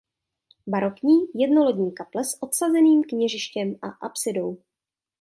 Barokní jednolodní kaple s odsazeným kněžištěm a apsidou.